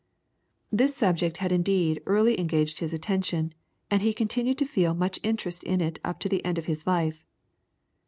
This subject had indeed early engaged his attention, and he continued to feel much interest in it up to the end of his life.